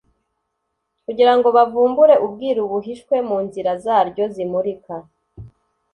kugira ngo bavumbure ubwiru buhishwe mu nzira za ryo zimurika,